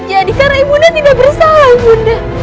jadi karena ibu nda tidak bersalah ibu nda